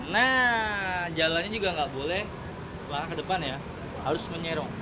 nah jalannya juga nggak boleh maka ke depan ya harus menyerong